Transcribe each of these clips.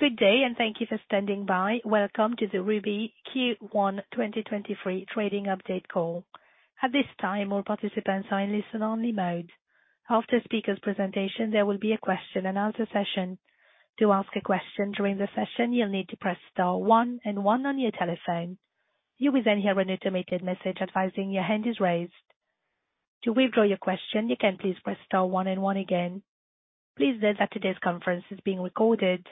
Good day and thank you for standing by. Welcome to the Rubis Q1 2023 trading update call. At this time, all participants are in listen only mode. After speaker's presentation, there will be a question and answer session. To ask a question during the session, you'll need to press star one and one on your telephone. You will then hear an automated message advising your hand is raised. To withdraw your question, you can please press star one and one again. Please note that today's conference is being recorded.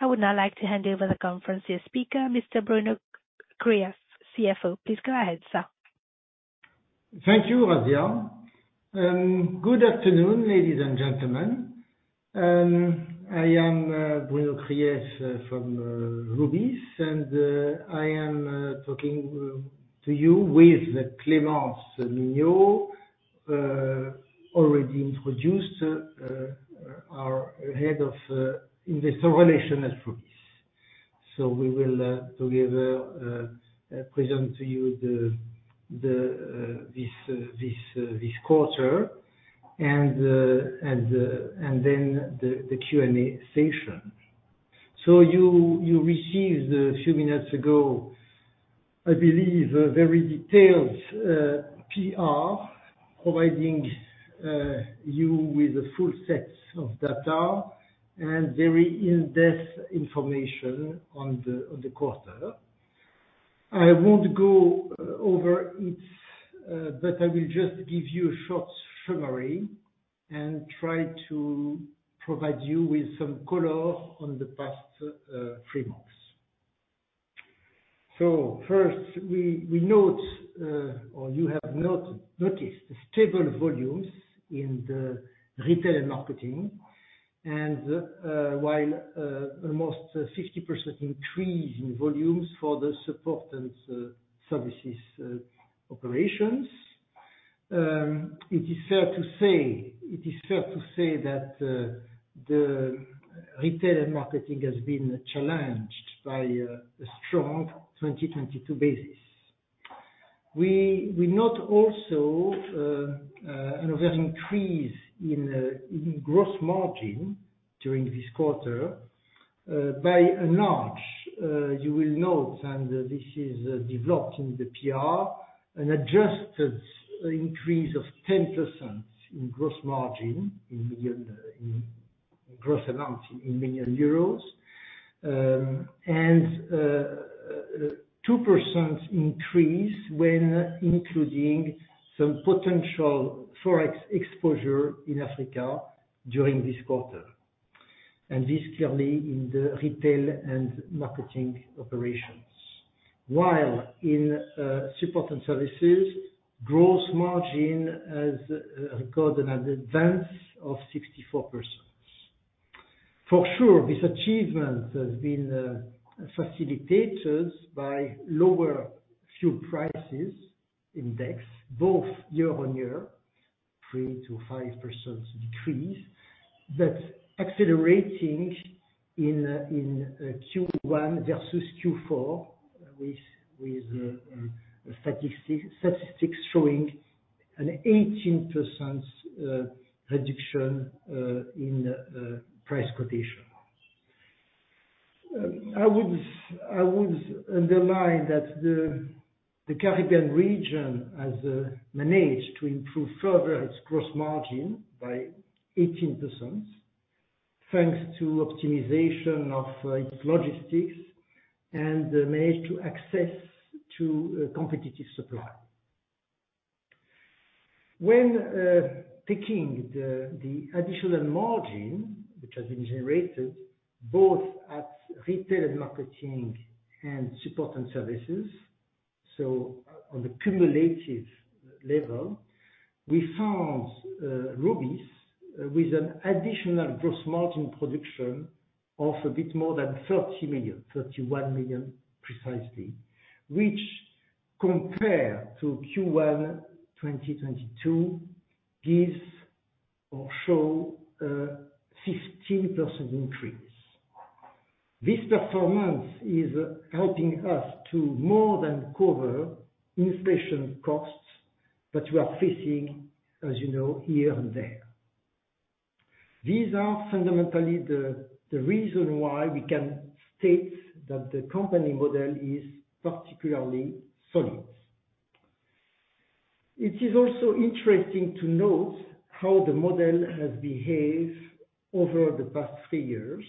I would now like to hand over the conference to your speaker, Mr. Bruno Krief, CFO. Please go ahead, sir. Thank you, Razia. Good afternoon, ladies and gentlemen. I am Bruno Krief from Rubis, and I am talking to you with Clémence Mignot-Dupeyrot, already introduced, our Head of Investor Relations at Rubis. We will together present to you this quarter and then the Q&A session. You received a few minutes ago, I believe, a very detailed PR providing you with a full set of data and very in-depth information on the quarter. I won't go over it, but I will just give you a short summary and try to provide you with some color on the past three months. First we note, or you have noticed stable volumes in the Retail & Marketing and while almost 60% increase in volumes for the Support and Services operations. It is fair to say that the Retail & Marketing has been challenged by a strong 2022 basis. We note also an increase in gross margin during this quarter by and large. You will note, and this is developed in the PR, an adjusted increase of 10% in gross margin in gross amount in million euros, and 2% increase when including some potential Forex exposure in Africa during this quarter. This clearly in the Retail & Marketing operations. While in Support and Services, gross margin has recorded an advance of 64%. For sure, this achievement has been facilitated by lower fuel prices index both year on year, 3%-5% decrease, accelerating in Q1 versus Q4, with statistics showing an 18% reduction in price quotation. I would underline that the Caribbean region has managed to improve further its gross margin by 18%, thanks to optimization of its logistics and managed to access to competitive supply. When taking the additional margin which has been generated both at Retail & Marketing and Support and Services, on the cumulative level, we found Rubis with an additional gross margin production of a bit more than 30 million, 31 million precisely, which compare to Q1 2022, gives or show a 15% increase. This performance is helping us to more than cover inflation costs that we are facing, as you know, here and there. These are fundamentally the reason why we can state that the company model is particularly solid. It is also interesting to note how the model has behaved over the past three years.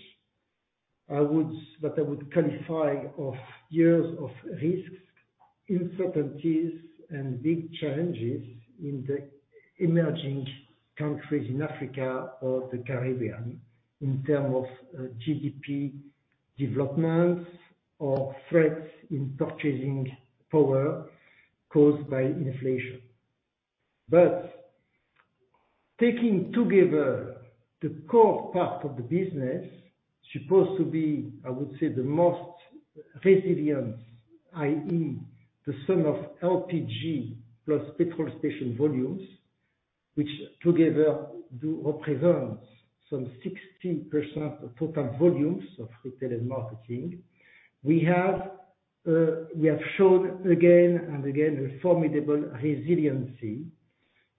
I would qualify of years of risks, uncertainties, and big challenges in the emerging countries in Africa or the Caribbean in terms of GDP developments or threats in purchasing power caused by inflation. Taking together the core part of the business, supposed to be, I would say, the most resilient, i.e. the sum of LPG plus petrol station volumes, which together do represent some 60% of total volumes of Retail & Marketing. We have, we have shown again and again a formidable resiliency.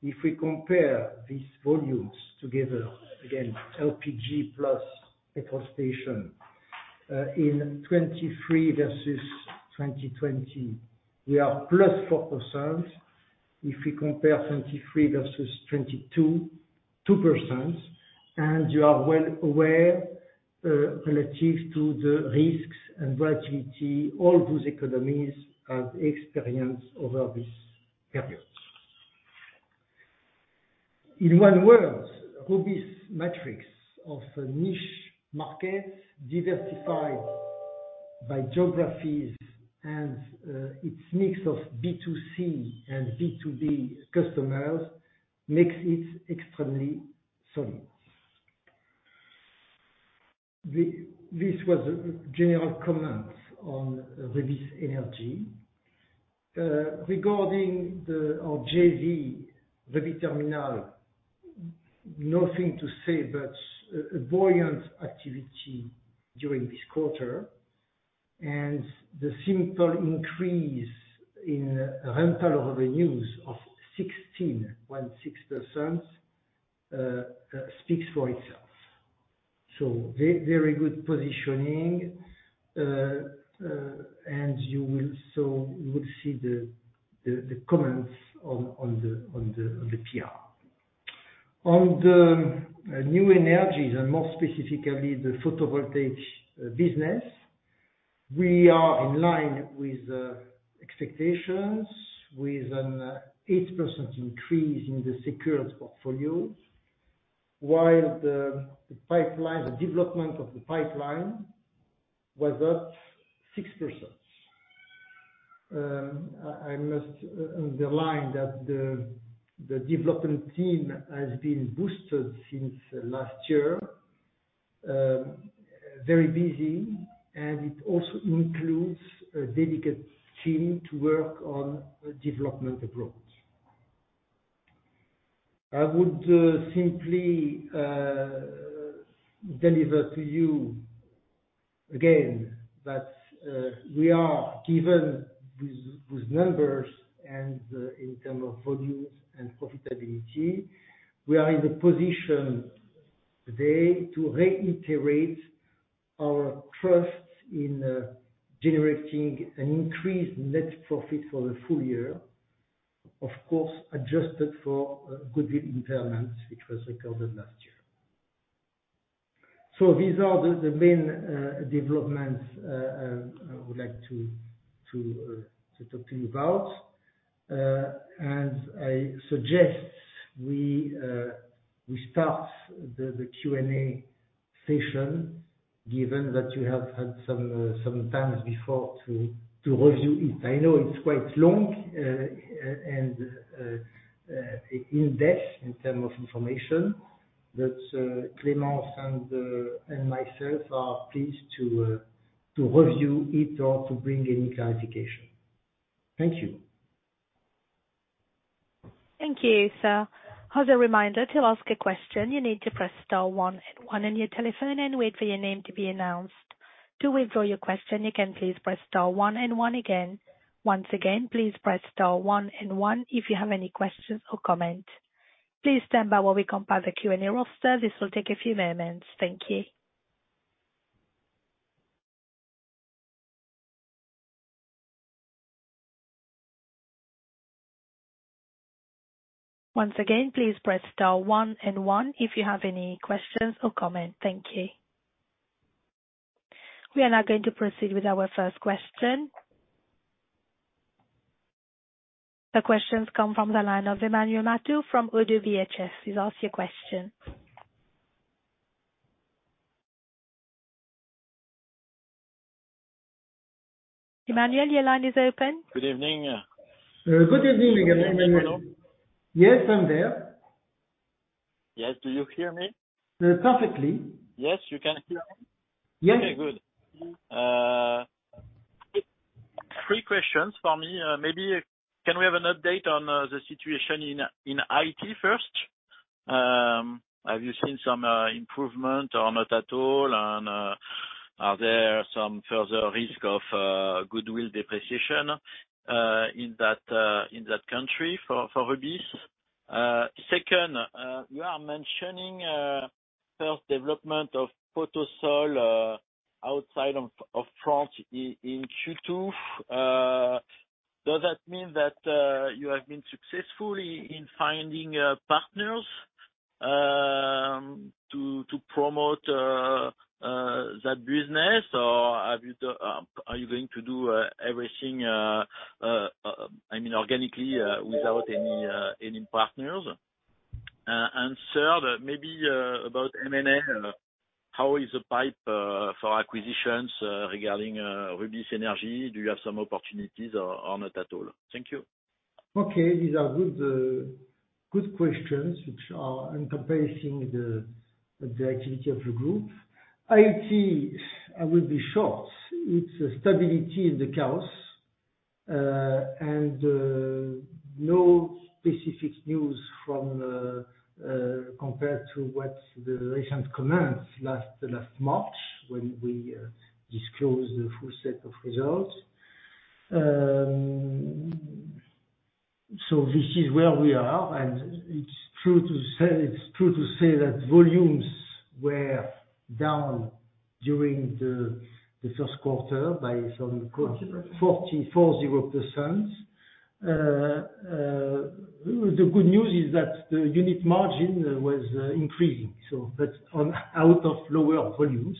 If we compare these volumes together, again, LPG plus petrol station, in 2023 versus 2020, we are +4%. If we compare 2023 versus 2022, 2%, you are well aware, relative to the risks and volatility all those economies have experienced over this period. In one word, Rubis' matrix of niche markets diversified by geographies and its mix of B2C and B2B customers makes it extremely solid. This was a general comment on Rubis Énergie. Regarding our JV, Rubis Terminal, nothing to say, but a buoyant activity during this quarter, the simple increase in rental revenues of 16.6% speaks for itself. Very good positioning, and you will see the comments on the PR. On the new energies and more specifically, the photovoltaic business, we are in line with expectations with an 8% increase in the secured portfolio, while the development of the pipeline was up 6%. I must underline that the development team has been boosted since last year. Very busy, and it also includes a dedicated team to work on development abroad. I would simply deliver to you again that we are given with numbers and in term of volumes and profitability, we are in the position today to reiterate our trust in generating an increased net profit for the full year, of course, adjusted for goodwill impairments, which was recorded last year. These are the main developments I would like to talk to you about. I suggest we start the Q&A session, given that you have had some times before to review it. I know it's quite long and in-depth in term of information that Clemence and myself are pleased to review it or to bring any clarification. Thank you. Thank you, sir. As a reminder, to ask a question, you need to press star one and one on your telephone and wait for your name to be announced. To withdraw your question, you can please press star one and one again. Once again, please press star one and one if you have any questions or comments. Please stand by while we compile the Q&A roster. This will take a few moments. Thank you. Once again, please press star one and one if you have any questions or comments. Thank you. We are now going to proceed with our first question. The questions come from the line of Emmanuel Matot from Oddo BHF. Please ask your question. Emmanuel, your line is open. Good evening. Good evening, Emmanuel. Can you hear me well? Yes, I'm there. Yes. Do you hear me? Perfectly. Yes. You can hear me? Yes. Okay, good. three questions for me. Maybe can we have an update on the situation in Haiti first? Have you seen some improvement or not at all? Are there some further risk of goodwill impairments in that country for Rubis? Second, you are mentioning first development of Photosol outside of France in Q2. Does that mean that you have been successful in finding partners to promote that business, or are you going to do everything, I mean, organically without any partners? Third, maybe about M&A, how is the pipe for acquisitions regarding Rubis Énergie? Do you have some opportunities or not at all? Thank you. Okay. These are good questions which are encompassing the activity of the group. Haiti, I will be short. It's stability in the chaos, and no specific news from compared to what the recent comments last March when we disclosed the full set of results. This is where we are, and it's true to say that volumes were down during the first quarter by some 40%. The good news is that the unit margin was increasing, so that's out of lower volumes.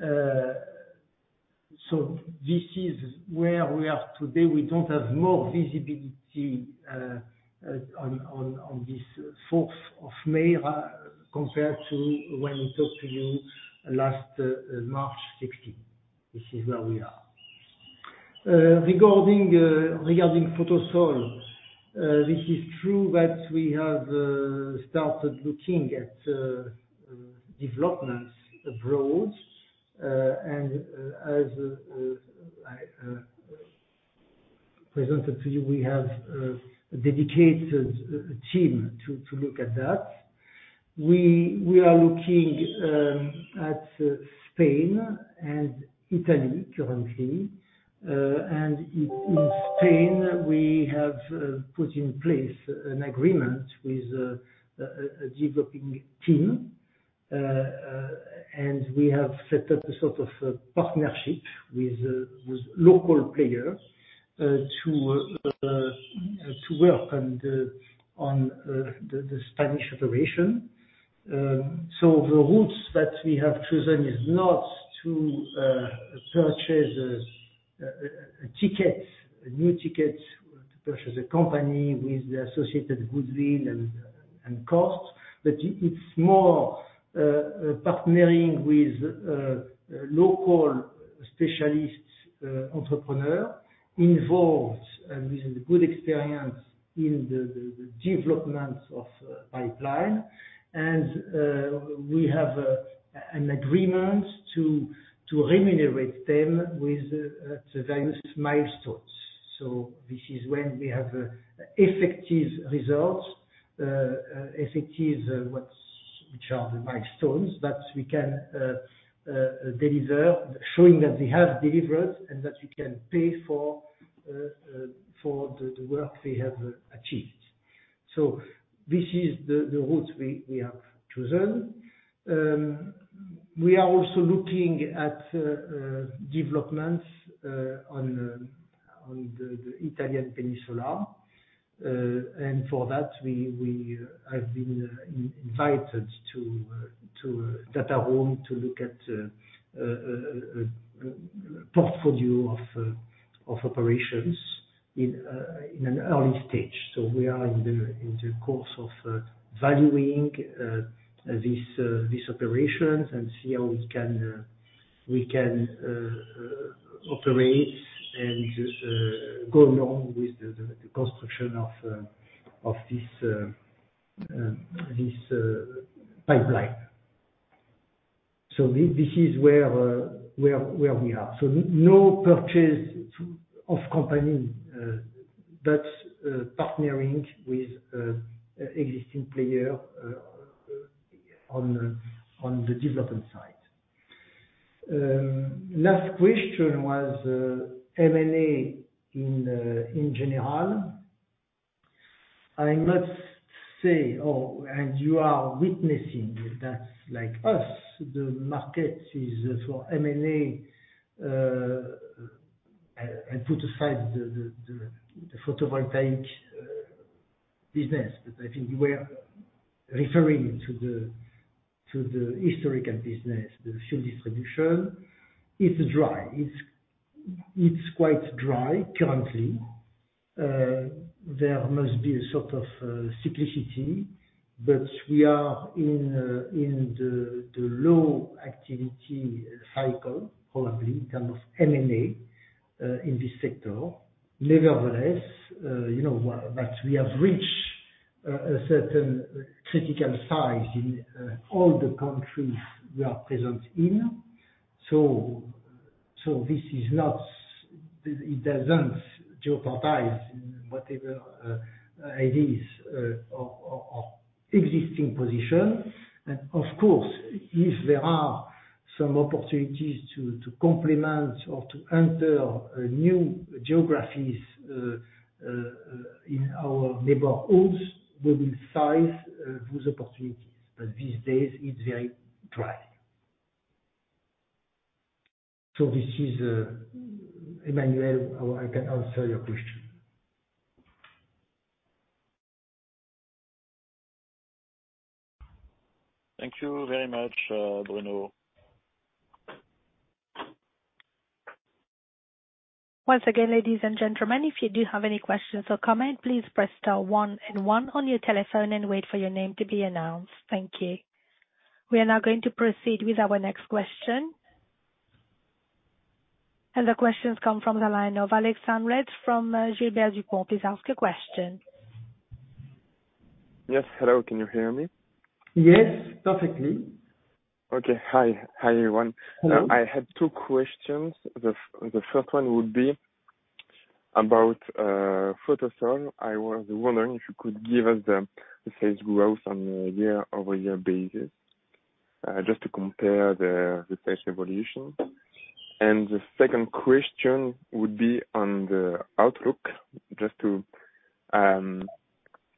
This is where we are today. We don't have more visibility on this May 4th compared to when we talked to you last March 16th. This is where we are. Regarding Photosol. This is true that we have started looking at developments abroad. As I presented to you, we have a dedicated team to look at that. We are looking at Spain and Italy currently. In Spain, we have put in place an agreement with a developing team. We have set up a sort of partnership with local players to work on the Spanish operation. The routes that we have chosen is not to purchase a new ticket to purchase a company with the associated goodwill and costs, but it's more partnering with local specialists, entrepreneur involved with good experience in the developments of pipeline. We have an agreement to remunerate them with various milestones. This is when we have effective results, which are the milestones that we can deliver, showing that they have delivered and that we can pay for the work they have achieved. This is the routes we have chosen. We are also looking at developments on the Italian peninsula. For that, we have been invited to a data room to look at portfolio of operations in an early stage. We are in the course of valuing these operations and see how we can operate and go along with the construction of this pipeline. This is where we are. No purchase of company, but partnering with existing player on the development side. Last question was M&A in general. I must say, oh, you are witnessing that like us, the market is for M&A. Put aside the photovoltaic business, but I think you were referring to the historical business, the fuel distribution. It's dry. It's quite dry currently. There must be a sort of cyclicity, but we are in the low activity cycle, probably in terms of M&A in this sector. Nevertheless, you know, but we have reached a certain critical size in all the countries we are present in. So it doesn't jeopardize whatever ideas of existing position. Of course, if there are some opportunities to complement or to enter new geographies in our neighborhoods, we will size those opportunities. These days it's very dry. This is Emmanuel, how I can answer your question. Thank you very much, Bruno. Once again, ladies and gentlemen, if you do have any questions or comment, please press star 1 and 1 on your telephone and wait for your name to be announced. Thank you. We are now going to proceed with our next question. The questions come from the line of Alexandre from Gilbert Dupont. Please ask your question. Yes. Hello. Can you hear me? Yes, perfectly. Okay. Hi. Hi, everyone. Hello. I have two questions. The first one would be about Photosol. I was wondering if you could give us the sales growth on a year-over-year basis. Just to compare the price evolution. The second question would be on the outlook, just to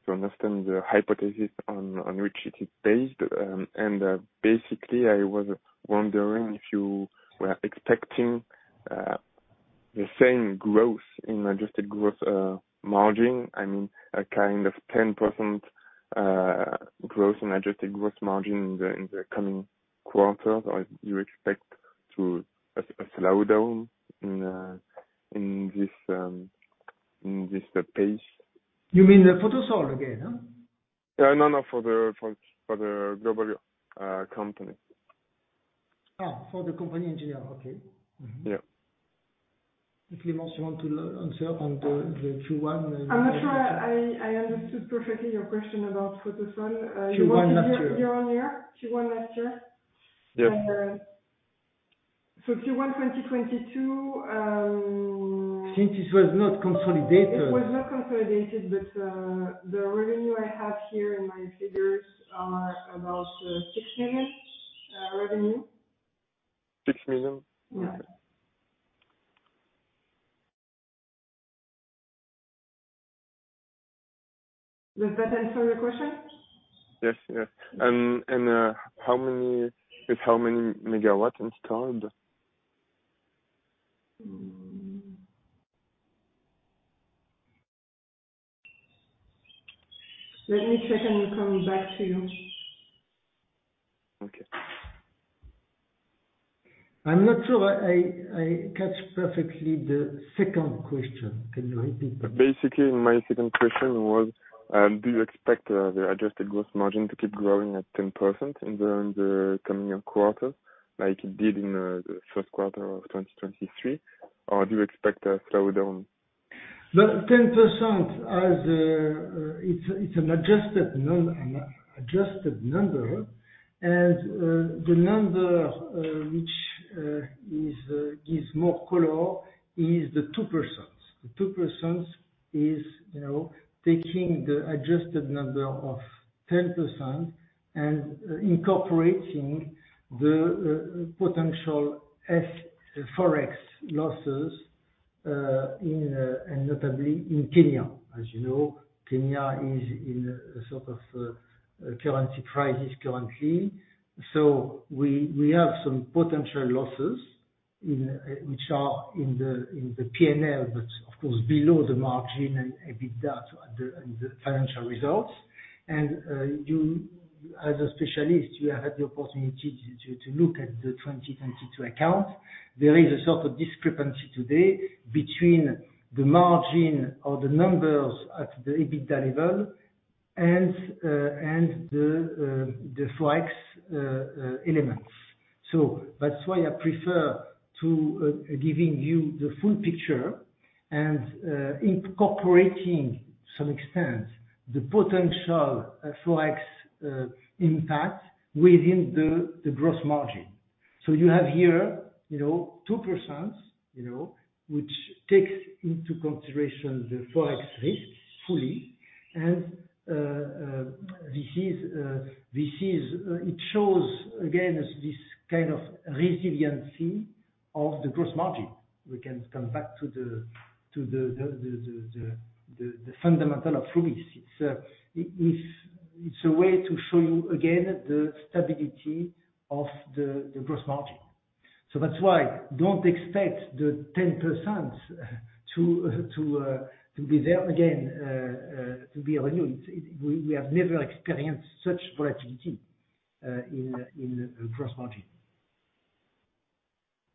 understand the hypothesis on which it is based. Basically I was wondering if you were expecting the same growth in adjusted growth margin. I mean, a kind of 10% growth in adjusted gross margin in the coming quarters, or you expect a slowdown in this pace. You mean the Photosol again, huh? Yeah. No, no. For the global company. Oh, for the company in general. Okay. Mm-hmm. Yeah. If Clémence you want to answer on the Q1. I'm not sure I understood perfectly your question about Photosol. Year on year? Q1 last year. Year-on-year, Q1 last year. Yeah. So Q one twenty twenty-two, um- Since it was not consolidated. It was not consolidated, but the revenue I have here in my figures are about 6 million revenue. 6 million? Yeah. Okay. Does that answer your question? Yes, yes. With how many megawatts installed? Let me check and come back to you. Okay. I'm not sure I catch perfectly the second question. Can you repeat that? Basically, my second question was, do you expect the adjusted gross margin to keep growing at 10% in the coming quarters like it did in the first quarter of 2023? Do you expect a slowdown? The 10% as it's an adjusted number. The number which gives more color is the 2%. The 2% is, you know, taking the adjusted number of 10% and incorporating the potential Forex losses in and notably in Kenya. As you know, Kenya is in a sort of currency crisis currently. We have some potential losses in which are in the P&L, but of course below the margin and EBITDA and the financial results. You as a specialist, you have had the opportunity to look at the 2022 accounts. There is a sort of discrepancy today between the margin or the numbers at the EBITDA level and the Forex elements. That's why I prefer to giving you the full picture and incorporating to some extent the potential Forex impact within the gross margin. You have here, you know, 2%, you know, which takes into consideration the Forex risk fully. It shows again this kind of resiliency of the gross margin. We can come back to the fundamental of Rubis. It's a way to show you again the stability of the gross margin. That's why don't expect the 10% to be there again to be renewed. We have never experienced such volatility in gross margin.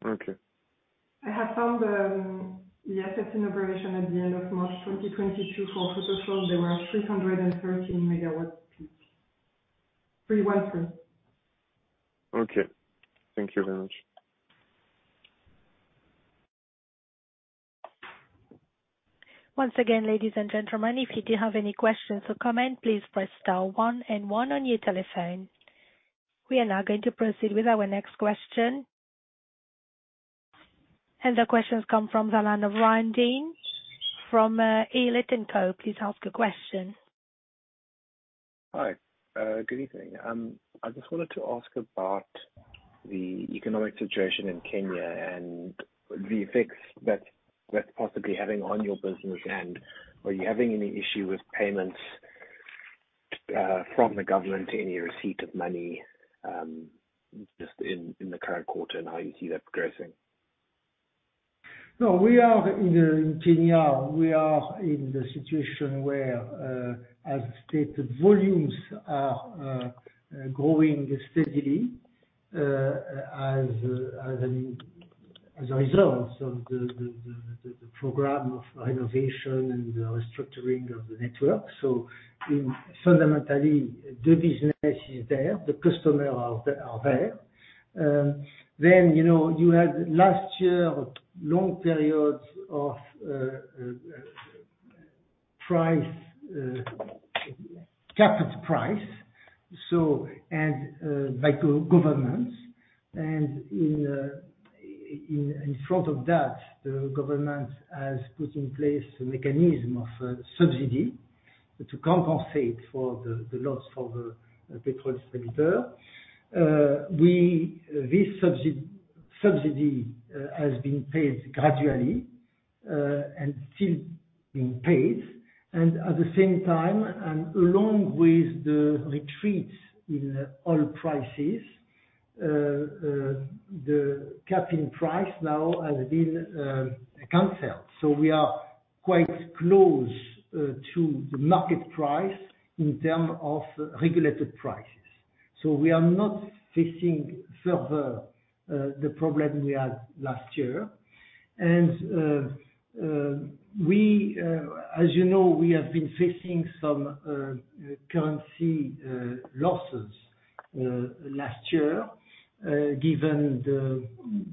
Okay. I have found, the assets in operation at the end of March 2022 for Photosol, there were 313 megawatts-peak. 313. Okay. Thank you very much. Once again, ladies and gentlemen, if you do have any questions or comment, please press star 1 and 1 on your telephone. We are now going to proceed with our next question. The question comes from the line of Ryan Dean from Elyton Co. Please ask your question. Hi. Good evening. I just wanted to ask about the economic situation in Kenya and the effects that's possibly having on your business. Are you having any issue with payments from the government? Any receipt of money just in the current quarter, and how you see that progressing? In Kenya, we are in the situation where, as stated, volumes are growing steadily as a result of the program of renovation and restructuring of the network. Fundamentally, the business is there, the customers are there. you know, you had last year long periods of price capped price by government. In front of that, the government has put in place a mechanism of subsidy to compensate for the loss for the petrol distributor. This subsidy has been paid gradually and still being paid. At the same time, and along with the retreat in oil prices, the capping price now has been canceled. we are quite close to the market price in term of regulated prices. we are not facing further the problem we had last year. As you know, we have been facing some currency losses last year, given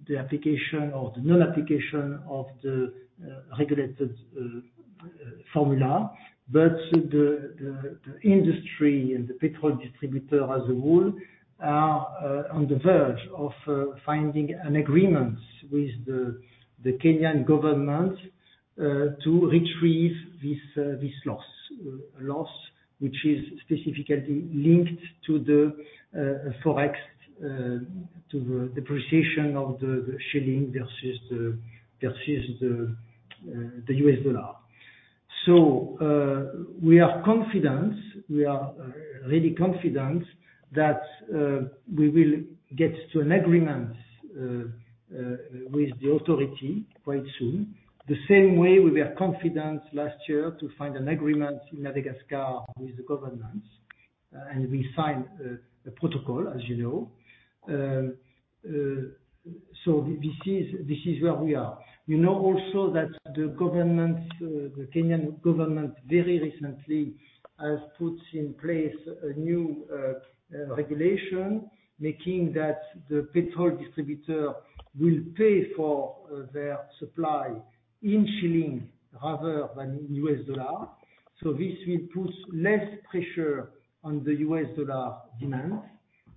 the application or the non-application of the regulated formula. The industry and the petrol distributor as a whole are on the verge of finding an agreement with the Kenyan government to retrieve this loss which is specifically linked to the Forex, to the depreciation of the shilling versus the US dollar. we are confident, we are really confident that we will get to an agreement with the authority quite soon. re confident last year to find an agreement in Madagascar with the government, and we signed a protocol, as you know. This is where we are. We know also that the Kenyan government very recently has put in place a new regulation, making that the petrol distributor will pay for their supply in shilling rather than US dollar. This will put less pressure on the US dollar demand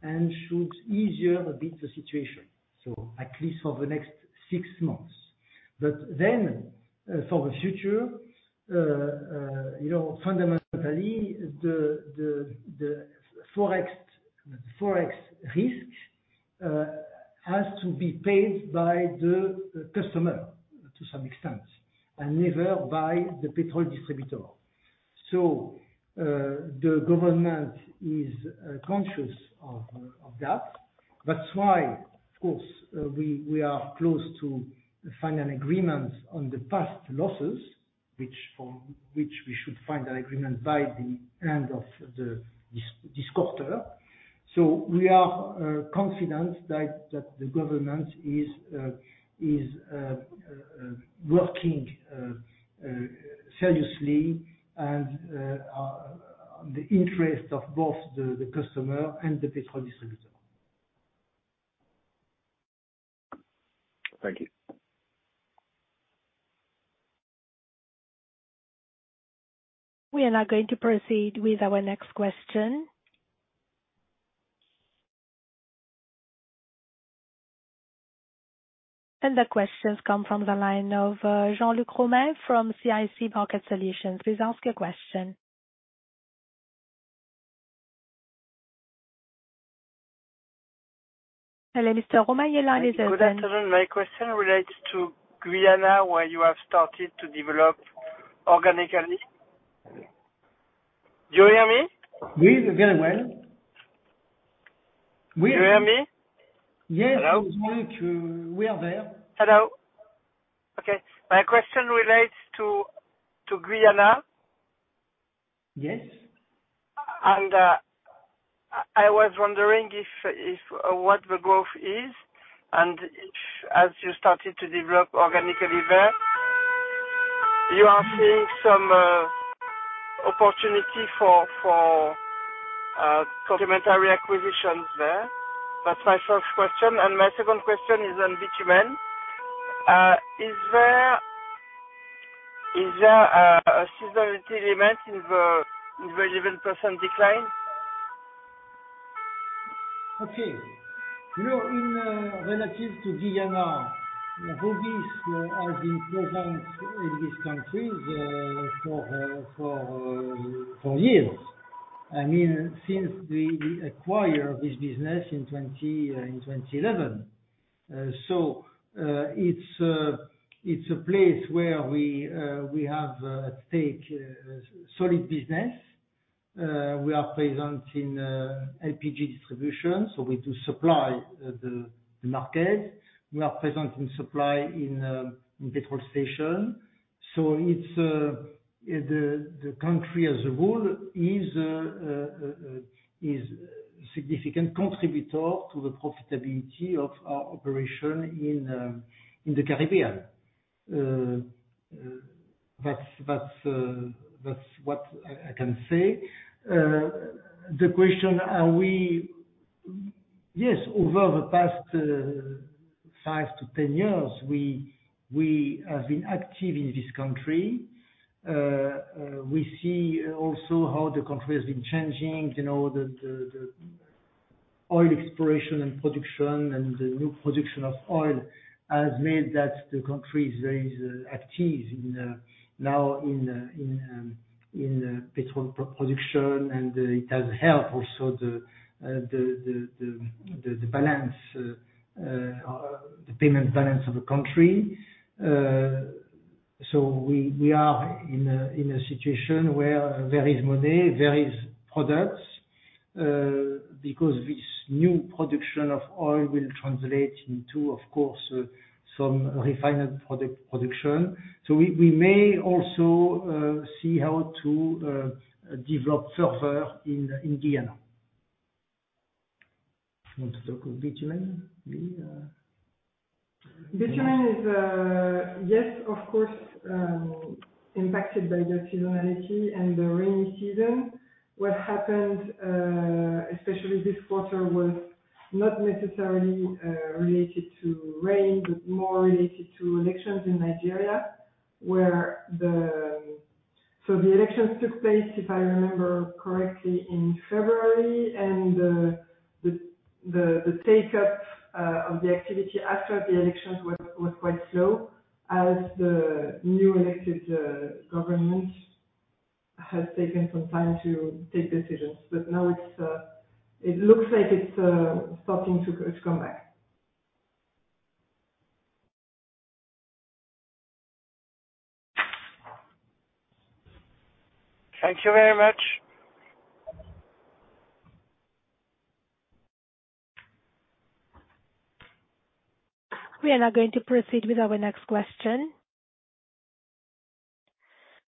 and should ease a bit the situation, at least for the next six months. For the future, you know, fundamentally, the Forex risk has to be paid by the customer to some extent and never by the petrol distributor. The government is conscious of that. That's why, of course, we are close to find an agreement on the past losses, which we should find an agreement by the end of the this quarter. We are confident that the government is working seriously and on the interest of both the customer and the petrol distributor. Thank you. We are now going to proceed with our next question. The question's come from the line of Jean-Luc Romain from CIC Market Solutions. Please ask your question. Hello, Mr. Romain, your line is open. Good afternoon. My question relates to Guyana, where you have started to develop organically. Do you hear me? Oui, very well. Do you hear me? Yes. Hello. We hear you. We are there. Hello. Okay. My question relates to Guyana. Yes. I was wondering if what the growth is, and if, as you started to develop organically there, you are seeing some opportunity for complementary acquisitions there. That's my first question. My second question is on bitumen. Is there a seasonality limit in the 11% decline? Okay. You know, in relative to Guyana, Rubis has been present in this country for years, I mean, since we acquire this business in 2011. It's a place where we have at stake a solid business. We are present in LPG distribution, so we do supply the market. We are present in supply in petrol station. It's the country as a whole is a significant contributor to the profitability of our operation in the Caribbean. That's what I can say. The question are we... Yes, over the past five to 10 years, we have been active in this country. We see also how the country has been changing. You know, the, the oil exploration and production and the new production of oil has made that the country is very active in now in in petrol production, and it has helped also the payment balance of the country. We are in a situation where there is money, there is products, because this new production of oil will translate into, of course, some refined product production. We may also see how to develop further in Guyana. Want to talk of bitumen, maybe? Bitumen is, yes, of course, impacted by the seasonality and the rainy season. What happened, especially this quarter, was not necessarily related to rain, but more related to elections in Nigeria. The elections took place, if I remember correctly, in February, and the, the take-up of the activity after the elections was quite slow as the new elected government has taken some time to take decisions. Now it's, it looks like it's starting to come back. Thank you very much. We are now going to proceed with our next question.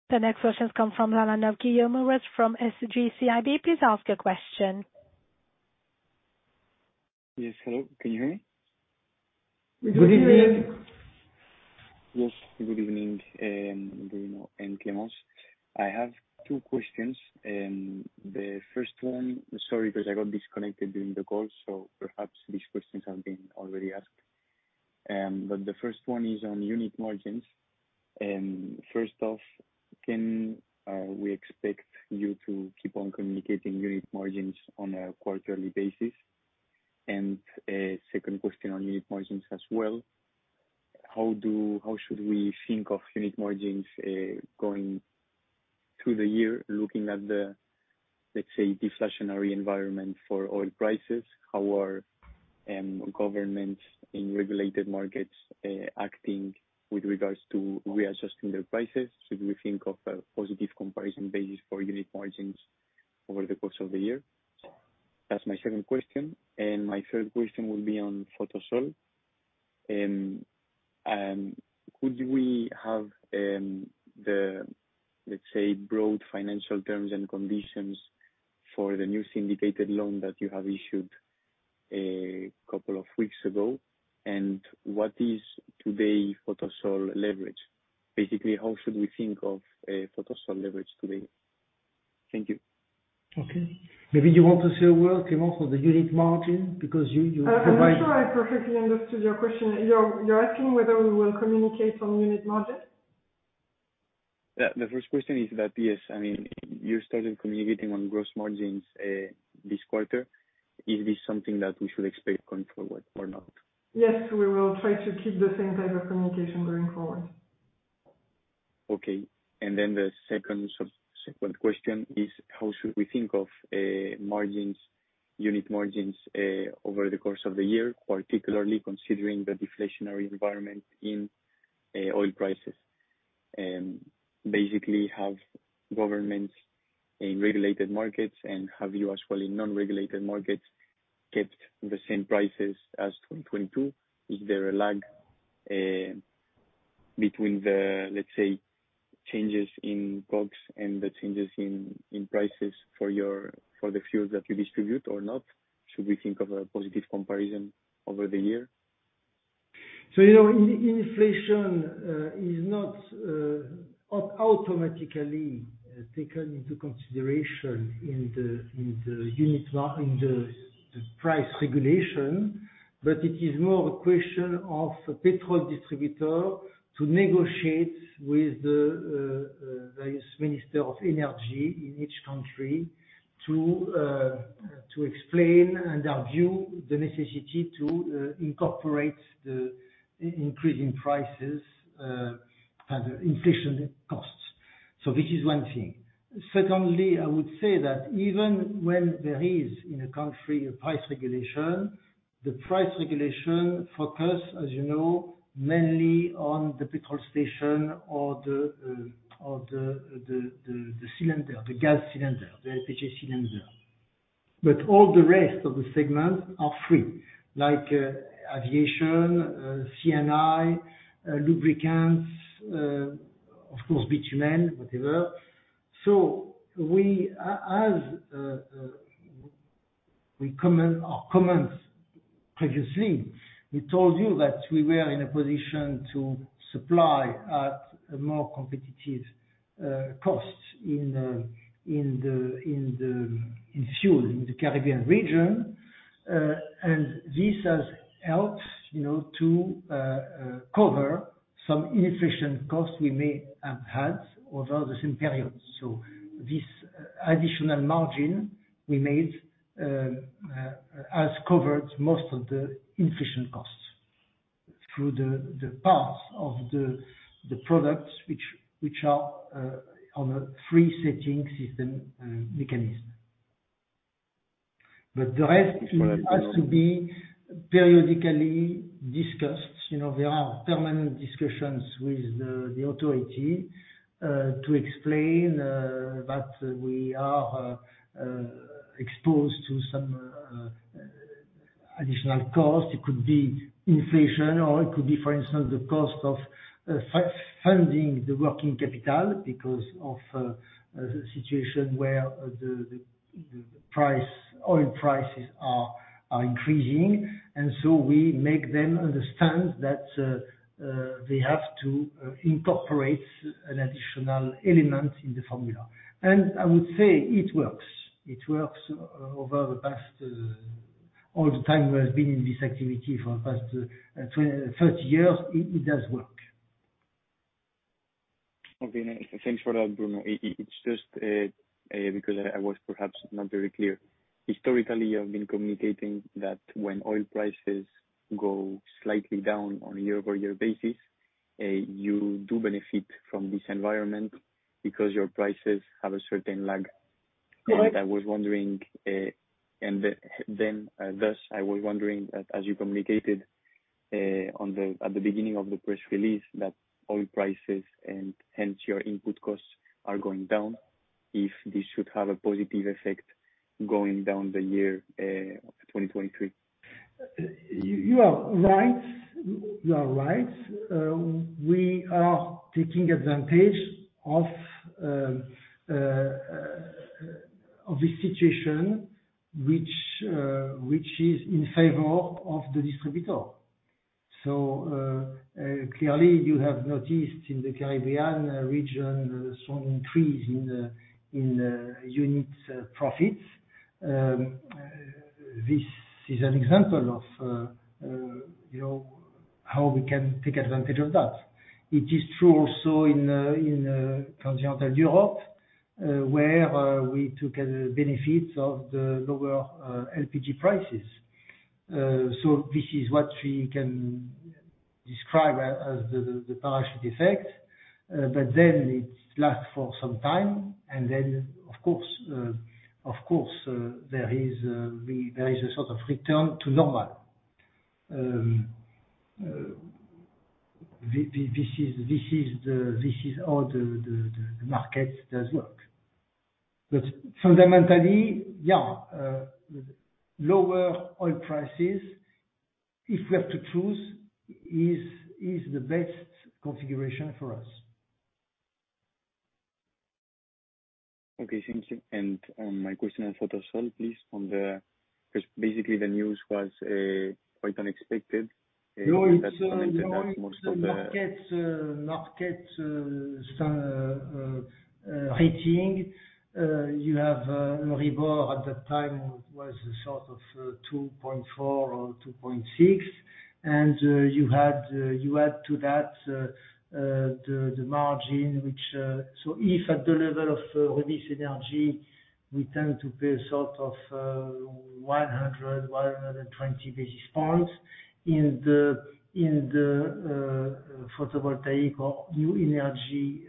The next question comes from Mehdi Ennebati from SG CIB. Please ask your question. Yes. Hello, can you hear me? We can hear you. Good evening. Yes. Good evening, Bruno and Clémence. I have two questions. The first one. Sorry, but I got disconnected during the call, so perhaps these questions have been already asked. The first one is on unit margins. First off, can we expect you to keep on communicating unit margins on a quarterly basis? A second question on unit margins as well. How should we think of unit margins going through the year, looking at the, let's say, deflationary environment for oil prices? How are governments in regulated markets acting with regards to re-adjusting their prices? Should we think of a positive comparison basis for unit margins over the course of the year? That's my second question. My third question will be on Photosol. Could we have the, let's say, broad financial terms and conditions for the new syndicated loan that you have issued a couple of weeks ago, and what is today Photosol leverage? Basically, how should we think of Photosol leverage today? Thank you. Okay. Maybe you want to say a word, Clémence, on the unit margin because you provide- I'm not sure I perfectly understood your question. You're asking whether we will communicate on unit margin? Yeah. The first question is that, yes, I mean, you started communicating on gross margins, this quarter. Is this something that we should expect going forward or not? Yes. We will try to keep the same type of communication going forward. Okay. The second question is how should we think of margins, unit margins over the course of the year, particularly considering the deflationary environment in oil prices? Basically, have governments in regulated markets and have you as well in non-regulated markets kept the same prices as 2022? Is there a lag between the, let's say, changes in costs and the changes in prices for the fuels that you distribute or not? Should we think of a positive comparison over the year? you know, inflation is not automatically taken into consideration in the, in the unit in the price regulation, but it is more a question of petrol distributor to negotiate with the various minister of energy in each country to explain and argue the necessity to incorporate the increase in prices and inflation costs. This is one thing. Secondly, I would say that even when there is, in a country, a price regulation, the price regulation focus, as you know, mainly on the petrol station or the or the, the cylinder, the gas cylinder, the LPG cylinder. All the rest of the segments are free, like aviation, C&I, lubricants, of course, bitumen, whatever. We, as, we comment, comments previously, we told you that we were in a position to supply at a more competitive costs in the, in fuel, in the Caribbean region. This has helped, you know, to cover some inefficient costs we may have had over the same period. This additional margin we made, has covered most of the inefficient costs through the paths of the products which are on a free setting system, mechanism. The rest has to be periodically discussed. You know, there are permanent discussions with the authority, to explain that we are exposed to some additional costs. It could be inflation or it could be, for instance, the cost of funding the working capital because of the situation where the price, oil prices are increasing. We make them understand that they have to incorporate an additional element in the formula. I would say it works. It works over the past, all the time we have been in this activity for the past 30 years. It does work. Okay. Thanks for that, Bruno. It's just because I was perhaps not very clear. Historically, you have been communicating that when oil prices go slightly down on a year-over-year basis, you do benefit from this environment because your prices have a certain lag. Correct. I was wondering, thus, I was wondering that as you communicated at the beginning of the press release that oil prices and hence your input costs are going down, if this should have a positive effect going down the year, 2023. You are right. You are right. We are taking advantage of this situation which is in favor of the distributor. Clearly, you have noticed in the Caribbean region some increase in the unit profits. This is an example of, you know, how we can take advantage of that. It is true also in continental Europe, where we took benefits of the lower LPG prices. This is what we can describe as the parachute effect. It lasts for some time, of course, there is a sort of return to normal. This is how the markets does work. Fundamentally, yeah, lower oil prices, if we have to choose, is the best configuration for us. Okay, thank you. My question is on Photosol, please. Basically the news was quite unexpected. No, it's the market rating. You have LIBOR at that time was sort of 2.4 or 2.6. You had, you add to that the margin, which... If at the level of Rubis Énergie, we tend to pay a sort of 100, 120 basis points. In the, in the photovoltaic or new energy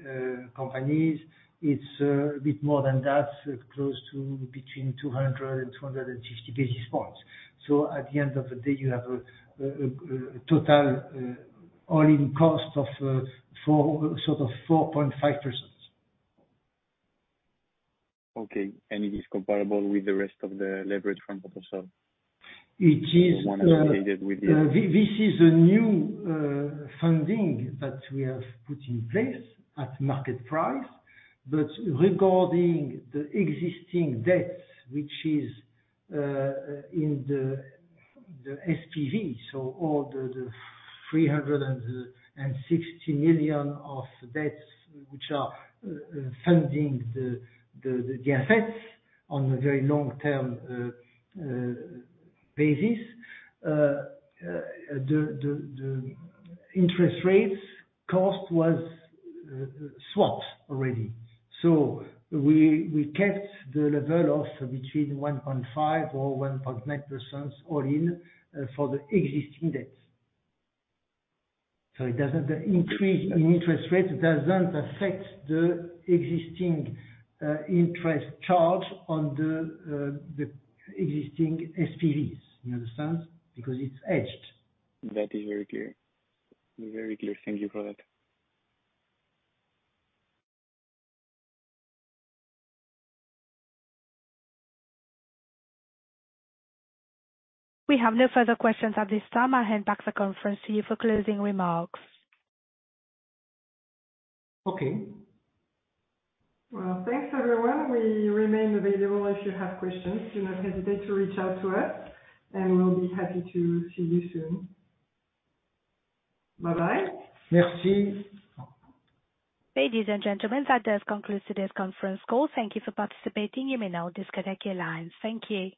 companies, it's a bit more than that, close to between 200 and 260 basis points. At the end of the day, you have a total all-in cost of 4%, sort of 4.5%. Okay. It is comparable with the rest of the leverage from total cell? It is. Or one associated with it. This is a new funding that we have put in place at market price. Regarding the existing debts, which is in the SPV, so all the 360 million of debts which are funding the assets on a very long-term basis. The interest rates cost was swapped already. We kept the level of between 1.5% or 1.9% all in for the existing debts. It doesn't increase, the interest rate doesn't affect the existing interest charge on the existing SPVs. You understand? Because it's hedged. That is very clear. Very clear. Thank you for that. We have no further questions at this time. I'll hand back the conference to you for closing remarks. Okay. Well, thanks, everyone. We remain available if you have questions. Do not hesitate to reach out to us, and we'll be happy to see you soon. Bye-bye. Merci. Ladies and gentlemen, that does conclude today's conference call. Thank you for participating. You may now disconnect your lines. Thank you.